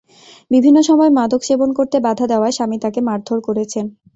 বিভিন্ন সময় মাদক সেবন করতে বাধা দেওয়ায় স্বামী তাঁকে মারধর করেছেন।